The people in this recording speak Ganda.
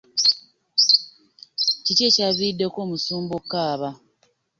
Kiki ekyavirideko omusumba okukaaba.